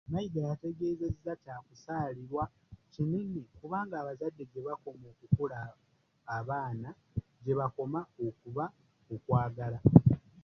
Mayiga ategeezezza kyakusaalirwa kinene kubanga abazadde gye bakoma okukula abaana gye bakoma okuba okwagala.